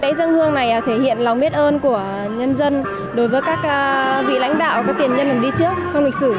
lễ dân hương này thể hiện lòng biết ơn của nhân dân đối với các vị lãnh đạo các tiền nhân đi trước trong lịch sử